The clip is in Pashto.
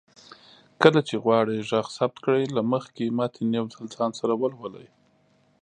کله چې غواړئ غږ ثبت کړئ، له مخکې متن يو ځل ځان سره ولولئ